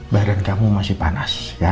badan kamu masih panas